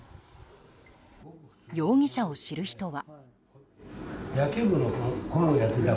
容疑者を知る人は。